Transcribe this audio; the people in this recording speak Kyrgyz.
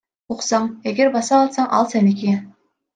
Уксаң, эгер баса алсаң ал сеники.